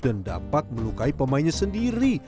dan dapat melukai pemainnya sendiri